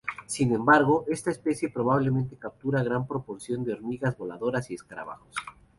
Sin embargo, esta especie probablemente captura gran proporción de hormigas voladoras y escarabajos.